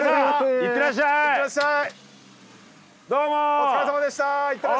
お疲れさまでした！